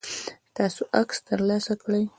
تاسو عکس ترلاسه کړئ؟